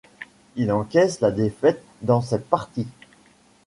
Il encaisse la défaite dans cette partie.